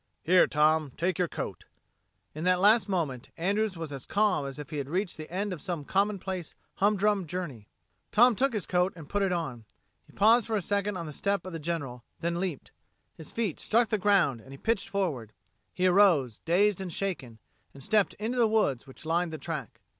Here, Tom, take your coat." In that last moment, Andrews was as calm as if he had reached the end of some commonplace, humdrum journey. Tom took his coat and put it on. He paused for a second on the step of the General, then leaped. His feet struck the ground and he pitched forward. He arose, dazed and shaken, and stepped into the woods which lined the track.